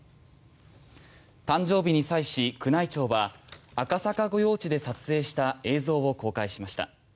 誕生日に際し宮内庁は赤坂御用地で撮影した映像を公開しました。